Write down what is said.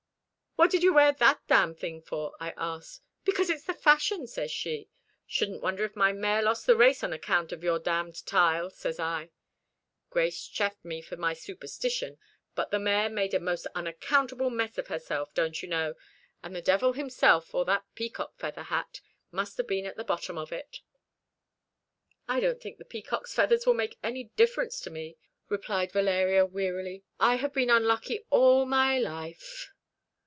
'What did you wear that damn thing for?' I asked. 'Because it's the fashion,' says she. 'Shouldn't wonder if my mare lost the race on account of your damn tile,' says I. Grace chaffed me for my superstition; but the mare made a most unaccountable mess of herself, don't you know, and the Devil himself or that peacock feather hat must have been at the bottom of it." "I don't think the peacocks' feathers will make any difference to me," replied Valeria wearily. "I have been unlucky all my life."